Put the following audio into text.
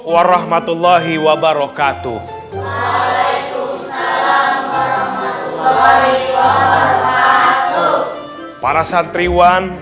warahmatullahi wabarakatuh waalaikumsalam warahmatullahi wabarakatuh para santriwan